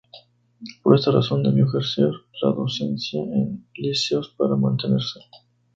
Por esta razón debió ejercer la docencia en liceos para mantenerse.